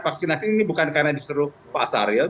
vaksinasi ini bukan karena disuruh pak saril